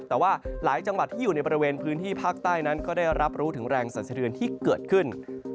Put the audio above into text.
แต่ว่าหลายจังหวัดที่อยู่ในบริเวณพื้นที่ภาคใต้นั้นก็ได้รับรู้ถึงแรงสรรสะเทือนที่เกิดขึ้น